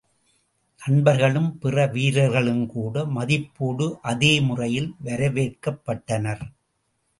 நண்பர்களும் பிற வீரர்களும்கூட, மதிப்போடு அதே முறையில் வரவேற்கப் பட்டனர்.